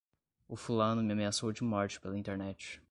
O fulano me ameaçou de morte pela internet